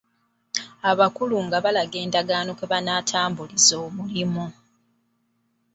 Abakulu nga balaga endagaano kwe banaatambuliza omulimu.